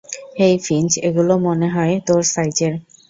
হেই, Finch, এগুলো মনেহয় তোর সাইজের।